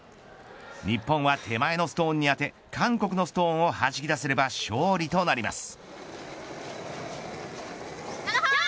日本は手前のストーンに当て韓国のストーンをはじき出せれば勝利となります。